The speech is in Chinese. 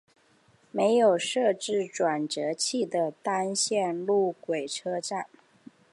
没有设置转辙器的单线路轨车站。